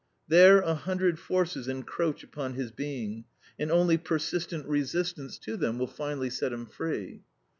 There a hundred forces encroach upon his being, and only persistent resistance to them will finally set him free.